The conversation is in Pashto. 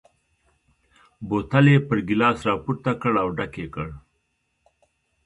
بوتل یې پر ګیلاس را پورته کړ او ډک یې کړ.